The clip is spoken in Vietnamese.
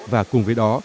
và cùng với đó